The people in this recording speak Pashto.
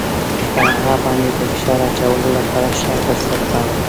پر هغه باندې د فشار اچولو لپاره ښه فرصت راغلی.